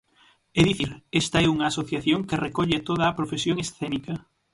É dicir, esta é unha asociación que recolle a toda a profesión escénica.